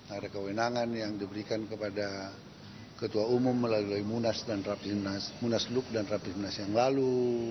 ada kewenangan yang diberikan kepada ketua umum melalui munas dan munaslup dan rapi munas yang lalu